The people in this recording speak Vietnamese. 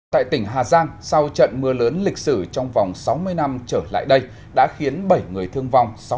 tại tỉnh hà giang sau trận mưa lớn lịch sử trong vòng sáu mươi năm trở lại đây đã khiến bảy người thương vong